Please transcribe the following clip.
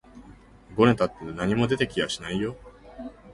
ごねたって何も出て来やしないよ